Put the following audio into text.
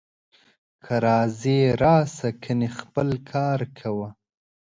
که راځې راسه، کنې خپل کار کوه